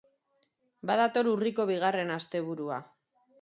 Badator urriko bigarren asteburua.